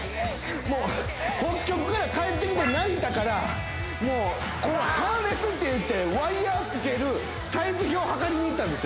もう北極から帰ってきて成田からもうこうハーネスっていってワイヤ付けるサイズを測りに行ったんですよ